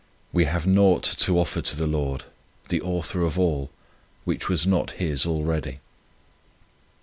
We have naught to offer to the Lord, the Author of all, which was not His already.